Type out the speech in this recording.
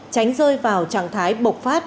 tránh rơi vào trạng thái bộc phát